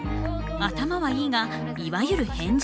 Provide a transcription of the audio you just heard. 頭はいいがいわゆる変人。